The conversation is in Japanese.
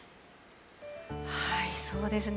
そうですね。